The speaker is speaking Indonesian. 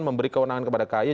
memberi kewenangan kepada kaye